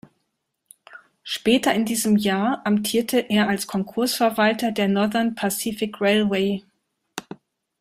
Später in diesem Jahr amtierte er als Konkursverwalter der Northern Pacific Railway.